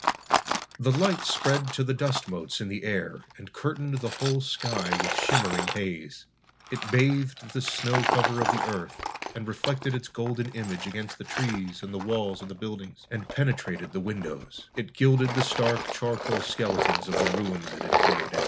The light spread to the dust motes in the air and curtained the whole sky with shimmering haze. It bathed the snow cover of the Earth, and reflected its golden image against the trees and the walls of the buildings, and penetrated the windows. It gilded the stark, charcoal skeletons of the ruins it had created.